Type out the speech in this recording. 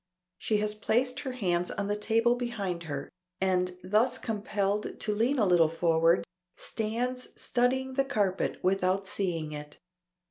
She has placed her hands on the table behind her, and thus compelled to lean a little forward, stands studying the carpet without seeing it.